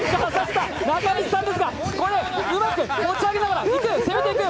中西さんですがうまく持ち上げながら攻めていく。